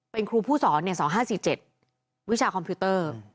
เป็นครูผู้สอน๒๕๔๗วิชาคอมพิวเตอร์